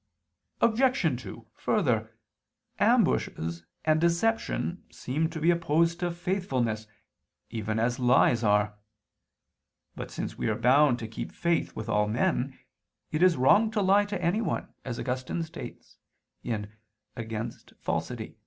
Obj. 2: Further, ambushes and deception seem to be opposed to faithfulness even as lies are. But since we are bound to keep faith with all men, it is wrong to lie to anyone, as Augustine states (Contra Mend.